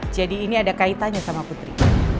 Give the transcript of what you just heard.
jadi ini ada kaitannya sama putri